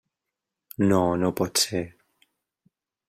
No, no pot ser.